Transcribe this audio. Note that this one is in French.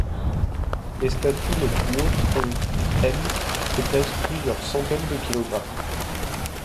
Les statues les plus hautes ont m et pèsent plusieurs centaines de kilogrammes.